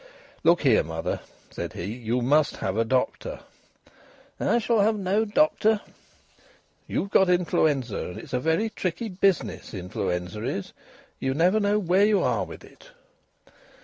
"Look here, mother," said he, "you must have a doctor." "I shall have no doctor." "You've got influenza, and it's a very tricky business influenza is; you never know where you are with it."